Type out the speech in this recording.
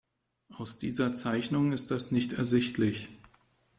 Aus dieser Zeichnung ist das nicht ersichtlich.